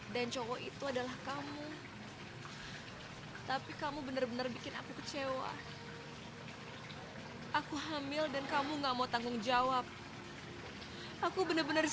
dan sebelumnya dia ninggalin ini sendiri